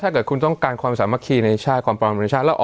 ถ้าเกิดคุณต้องการความสามารถคีย์ในชาติ